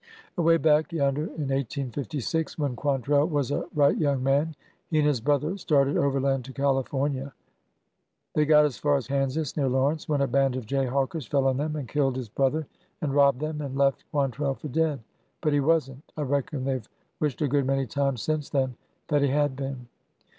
Away back yonder in 1856, when Quantrell was a right young man, he and his brother started overland to California. They got as far as Kansas, near Lawrence, when a band of jayhawkers fell on them and killed his AN APT SCHOLAR 271 brother, and robbed them, and left Quant rell for dead. But he was n^t ! I reckon they 've wished a good many times since then that he had been